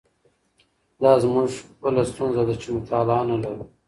دا زموږ خپله ستونزه ده چې مطالعه نه لرو.